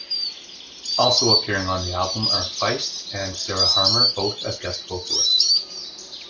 Also appearing on the album are Feist and Sarah Harmer, both as guest vocalists.